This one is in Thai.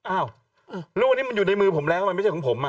อ้าวลูกอันนี้มันอยู่ในมือผมแล้วมันไม่ใช่ของผมอ่ะ